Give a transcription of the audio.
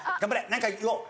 何か言おう。